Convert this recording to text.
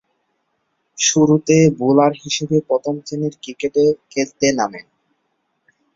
শুরুতে বোলার হিসেবে প্রথম-শ্রেণীর ক্রিকেটে খেলতে নামেন।